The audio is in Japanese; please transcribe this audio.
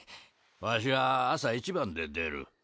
わしは朝一番で出る。